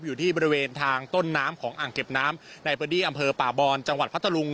อยู่ที่บริเวณทางต้นน้ำของอ่างเก็บน้ำในพื้นที่อำเภอป่าบอนจังหวัดพัทธลุง